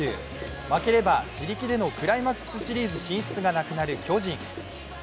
負ければ自力でのクライマックスシリーズ進出がなくなる巨人。